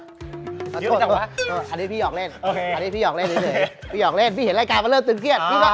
เยอะจังหรือเปล่าโอเคโอเคโอเคโอเคพี่เห็นรายการว่าเริ่มตึกเครียด